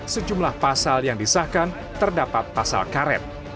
sejumlah pasal yang disahkan terdapat pasal karet